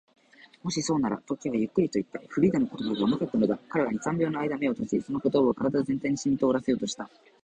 「もしそうなら」と、Ｋ はゆっくりといった。フリーダの言葉が甘かったのだ。彼は二、三秒のあいだ眼を閉じ、その言葉を身体全体にしみとおらせようとした。